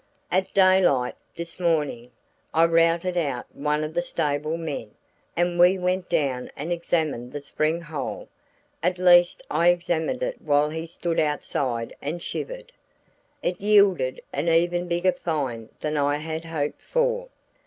At daylight this morning I routed out one of the stable men, and we went down and examined the spring hole; at least I examined it while he stood outside and shivered. It yielded an even bigger find than I had hoped for.